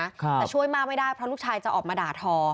แต่ช่วยมากไม่ได้เพราะลูกชายจะออกมาด่าทอ